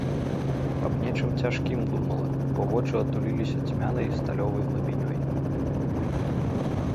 Аб нечым цяжкім думала, бо вочы атуліліся цьмянай, сталёвай глыбінёй.